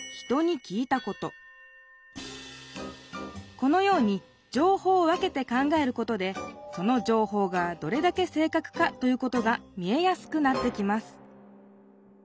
このようにじょうほうを分けて考えることでそのじょうほうがどれだけ正確かということが見えやすくなってきます